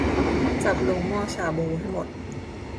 จับลงหม้อชาบูให้หมด